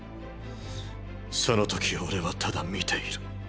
その時俺はただ見ている。